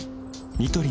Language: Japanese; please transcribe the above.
ニトリ